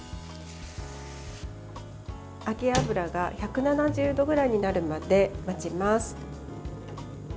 揚げ油が１７０度ぐらいになるまで待ちます。